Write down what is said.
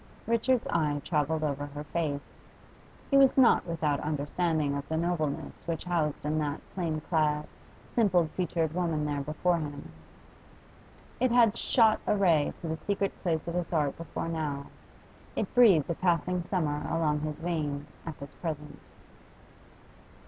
Richard's eye travelled over her face. He was not without understanding of the nobleness which housed in that plain clad, simple featured woman there before him. It had shot a ray to the secret places of his heart before now; it breathed a passing summer along his veins at this present.